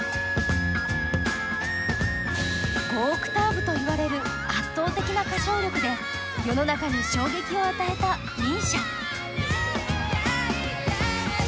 ５オクターブといわれる圧倒的な歌唱力で世の中に衝撃を与えたＭＩＳＩＡ